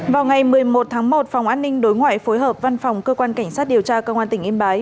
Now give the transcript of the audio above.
vào ngày một mươi một tháng một phòng an ninh đối ngoại phối hợp văn phòng cơ quan cảnh sát điều tra công an tỉnh yên bái